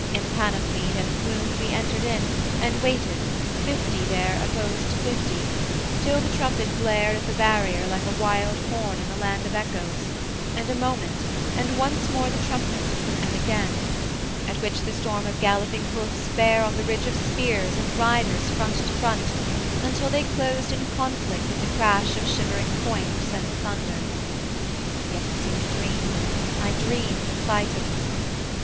Empanoplied and plumed We entered in, and waited, fifty there Opposed to fifty, till the trumpet blared At the barrier like a wild horn in a land Of echoes, and a moment, and once more The trumpet, and again: at which the storm Of galloping hoofs bare on the ridge of spears And riders front to front, until they closed In conflict with the crash of shivering points, And thunder. Yet it seemed a dream, I dreamed Of fighting.